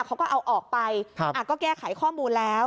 เขาก็เอาออกไปก็แก้ไขข้อมูลแล้ว